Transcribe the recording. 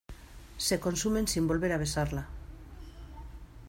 se consumen sin volver a besarla.